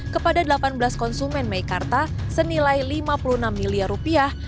kepada delapan belas konsumen meikarta senilai lima puluh enam miliar rupiah